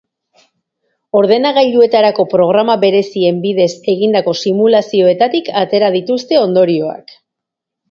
Ordenagailuetarako programa berezien bidez egindako simulazioetatik atera dituzte ondorioak.